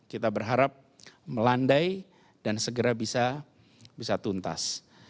kita berharap melandai dan segera bisa tuntas